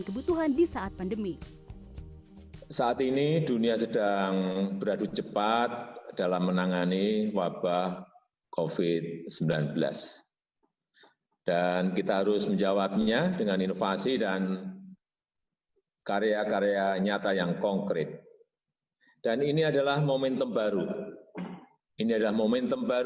kebutuhan di saat pandemi